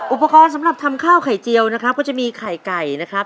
อุปกรณ์สำหรับทำข้าวไข่เจียวนะครับก็จะมีไข่ไก่นะครับ